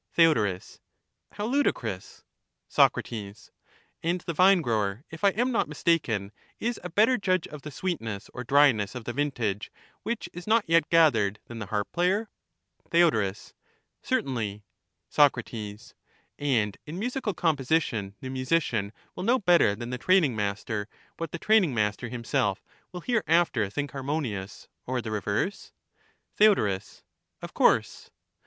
Theod, How ludicrous I Soc. And the vinegrower, if I am not mistaken, is a better nor of vine judge of the sweetness or dryness of the vintage which is not growing ; yet gathered than the harp player ? Theod, Certainly. Soc. And in musical composition the musician will know better than the training master what the training master himself will hereafter think harmonious or the reverse ? Theod, Of course.